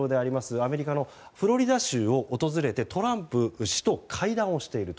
アメリカのフロリダ州を訪れてトランプ氏と会談をしていると。